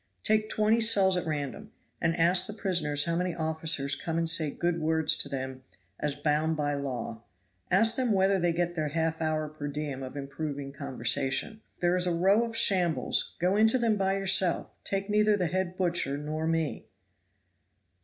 Take twenty cells at random, and ask the prisoners how many officers come and say good words to them as bound by law; ask them whether they get their half hour per diem of improving conversation. There is a row of shambles, go into them by yourself, take neither the head butcher nor me."